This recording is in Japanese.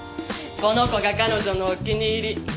この子が彼女のお気に入り。